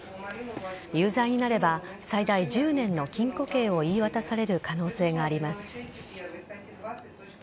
有罪になれば最大１０年の禁錮刑を言い渡される可能性があります。